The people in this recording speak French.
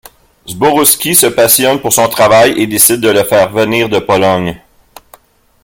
Zborowski se passionne pour son travail et décide de le faire venir de Pologne.